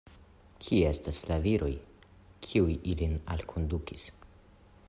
Kie estas la viroj, kiuj ilin alkondukis?